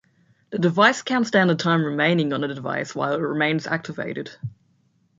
The device counts down the time remaining on the device while it remains activated.